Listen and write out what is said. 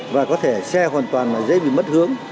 và có thể xe hoàn toàn dễ bị mất hướng